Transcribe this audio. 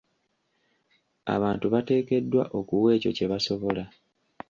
Abantu bateekeddwa okuwa ekyo kye basobola.